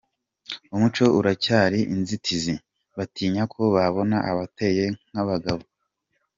Umuco uracyari inzitizi, batinya ko babona bateye nk’abagabo.